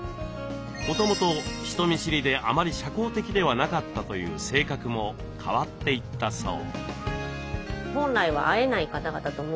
もともと人見知りであまり社交的ではなかったという性格も変わっていったそう。